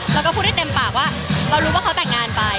แล้วก็พูดได้เต็มปากว่าเรารู้ว่าเขาแต่งงานไป